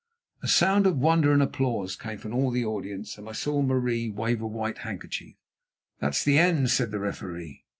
A sound of wonder and applause came from all the audience, and I saw Marie wave a white handkerchief. "That's the end," said the referee.